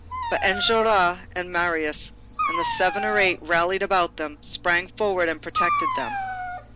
But Enjolras and Marius, and the seven or eight rallied about them, sprang forward and protected them.